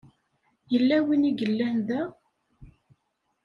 Yella win i yellan da?